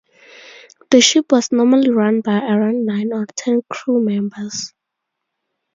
The ship was normally run by around nine or ten crew members.